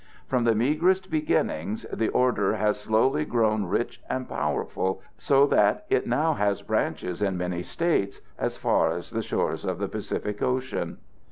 From the meagrest beginning, the order has slowly grown rich and powerful, so that it now has branches in many States, as far as the shores of the Pacific Ocean.